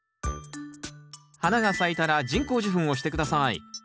花が咲いたら人工授粉をして下さい。